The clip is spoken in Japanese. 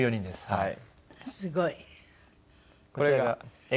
はい。